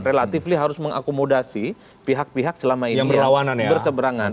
relatifly harus mengakomodasi pihak pihak selama ini berseberangan